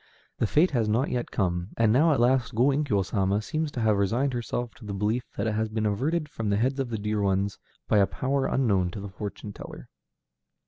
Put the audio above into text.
The fate has not yet come, and now at last Go Inkyo Sama seems to have resigned herself to the belief that it has been averted from the heads of the dear ones by a power unknown to the fortune teller.